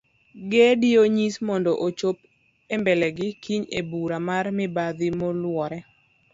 Gedi onyis mondo ochop embelegi kiny ebura mar mibadhi maluore